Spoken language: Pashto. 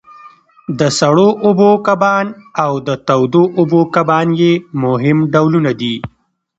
د سړو اوبو کبان او د تودو اوبو کبان یې مهم ډولونه دي.